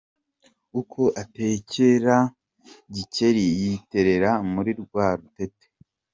Uko atekera Gikeli yiterera muri rwa rutete.